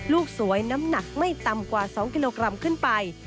ลูกสวยน้ำหนักไม่ต่ำกว่า๒กิโลกรัมขึ้นไป